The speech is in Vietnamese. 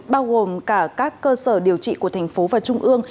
bao gồm cả các cơ sở điều trị của thành phố và trung ương